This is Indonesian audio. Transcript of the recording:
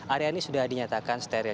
area ini sudah dinyatakan steril